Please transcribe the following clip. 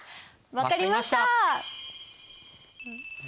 分かりました！